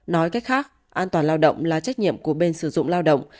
nói cách khác an toàn lao động là trách nhiệm của bên sử dụng lao động